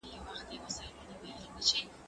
زه کولای سم شګه پاک کړم.